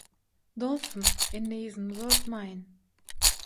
Dostum, indi yzyny uzaltmaýyn